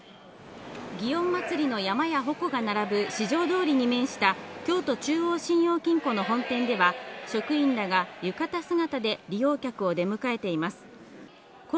祇園祭の山や鉾が並ぶ四条通に面した京都中央信用金庫の本店では、職員らが浴衣姿で利用客を出迎えています。